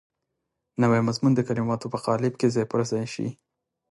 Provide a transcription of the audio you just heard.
نوی مضمون د کلماتو په قالب کې ځای پر ځای شي.